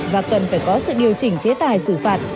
và cần phải có sự điều chỉnh chế tài xử phạt